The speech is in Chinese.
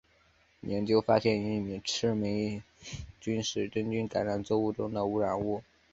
研究发现玉米赤霉醇是真菌感染作物中的污染物。